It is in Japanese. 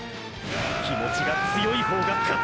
気持ちが強い方が勝つ！！